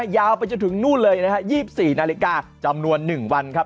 ยาวไปจนถึงนู่นเลยนะฮะ๒๔นาฬิกาจำนวน๑วันครับ